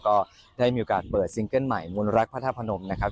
ก็ได้มีโอกาสเปิดซิงเกิ้ลใหม่มูลรักพระธาตุพนมนะครับ